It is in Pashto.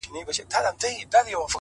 چي تا په گلابي سترگو پرهار پکي جوړ کړ ـ